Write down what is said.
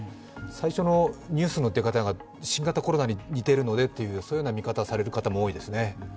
最初のニュースの出方が新型コロナに似てるのでと、そういう見方をされる方も多いですね。